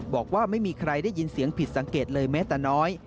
บอกว่าไม่มีใครได้ยินเสียงผิดสังเกตเลยแม้แต่น้อย